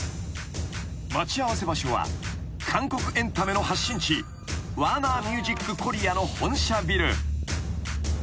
［待ち合わせ場所は韓国エンタメの発信地ワーナーミュージック・コリアの本社ビル］